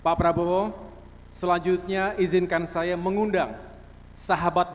pak prabowo selanjutnya izinkan saya mengundang sahabat ganjar